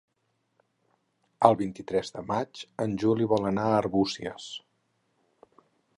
El vint-i-tres de maig en Juli vol anar a Arbúcies.